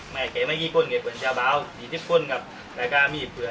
แม่แข่ไหมกี่คนแข่กวนเจ้าเบาสี่สิบคนครับราคามีเผื่อ